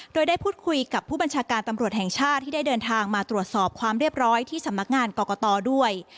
โดยได้พูดคุยกับผู้บัญชาการตำรวจแห่งชาติที่ได้เดินทางมาตรวจสอบความเรียบร้อยที่สำนักงานกรกตด้วย